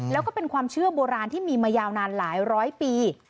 แล้วก็เป็นความเชื่อโบราณที่มีมายาวนานหลายร้อยปี